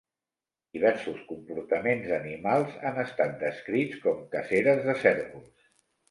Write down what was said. Diversos comportaments animals han estat descrits com caceres de cérvols.